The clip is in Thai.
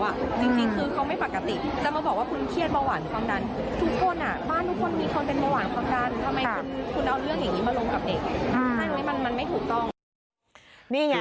มันไม่ถูกต้อง